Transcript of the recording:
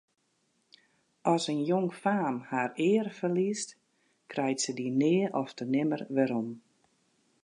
As in jongfaam har eare ferliest, krijt se dy nea ofte nimmer werom.